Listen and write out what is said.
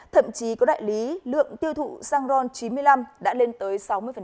thậm chí có đại lý lượng tiêu thụ xăng ron chín mươi năm đã lên tới sáu mươi